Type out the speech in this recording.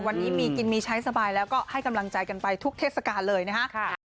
วันนี้มีกินมีใช้สบายแล้วก็ให้กำลังใจกันไปทุกเทศกาลเลยนะฮะ